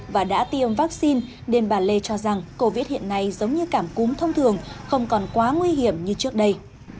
và đã tiêm vaccine nên bà lê cho rằng covid hiện nay giống như cảm cúm thông thường không còn quá nguy hiểm như trước đây